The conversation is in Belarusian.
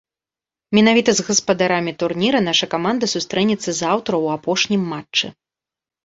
Менавіта з гаспадарамі турніра наша каманда сустрэнецца заўтра ў апошнім матчы.